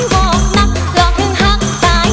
หวอกนักรอดถึงหักตาย